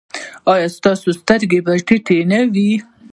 ایا ستاسو سترګې به ټیټې نه وي؟